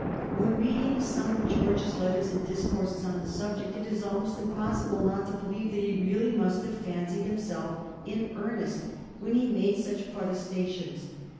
When reading some of George's letters and discourses on the subject, it is almost impossible not to believe that he really must have fancied himself in earnest when he made such protestations.